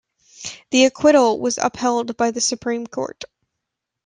The acquittal was upheld by the Supreme Court.